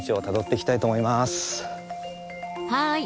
はい！